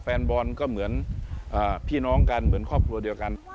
แฟนบอลก็เหมือนพี่น้องกันเหมือนครอบครัวเดียวกัน